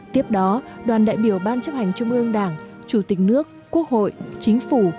tiếp đó đoàn đại biểu ban chấp hành trung ương đảng chủ tịch nước quốc hội chính phủ